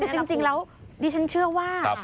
คือจริงแล้วดิฉันเชื่อว่า